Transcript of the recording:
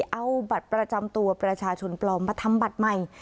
เอาบัตรประจำตัวประชาชนปลอมมาทำบัตรใหม่